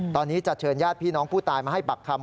ตอนนี้จะเชิญญาติพี่น้องผู้ตายมาให้ปักคำ